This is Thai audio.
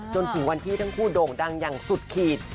จนถึงวันที่ทั้งคู่โด่งดังอย่างสุดขีด